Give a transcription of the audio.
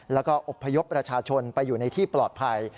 แล้วก็อบพยพประชาชนไปอยู่ในที่ปลอดภัย